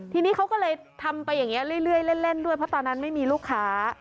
ทีนี้เขาก็เลยทำไปอย่างนี้เรื่อยเล่นด้วยเพราะตอนนั้นไม่มีลูกค้า